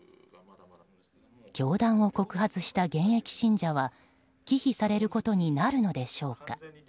教団を告発した現役信者は忌避されることになるのでしょうか。